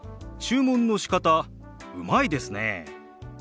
注文のしかたうまいですね。